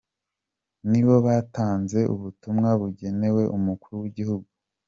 Ni bo batanze ubutumwa bugenewe umukuru w’igihugu.